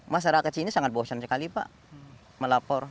masyarakat sini sangat bosan sekali pak melapor